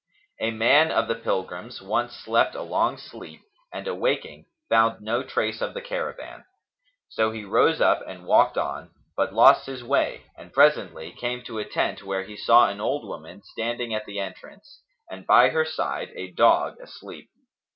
A man of the pilgrims once slept a long sleep and awaking, found no trace of the caravan. So he rose up and walked on, but lost his way and presently came to a tent, where he saw an old woman standing at the entrance and by her side a dog asleep.